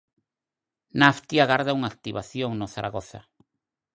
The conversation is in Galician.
Nafti agarda unha activación no Zaragoza.